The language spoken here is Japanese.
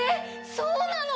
そうなの？